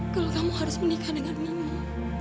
kalau kamu harus menikah dengan nenek